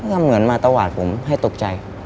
ก็เหมือนมาตวาดผมให้ตกใจ